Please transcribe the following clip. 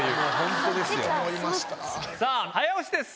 さぁ早押しです。